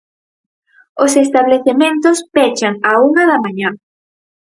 Os establecementos pechan á unha da mañá.